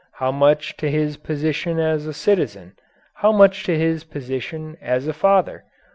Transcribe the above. How much to his position as a citizen? How much to his position as a father?